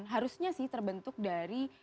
harusnya sih terbentuk dari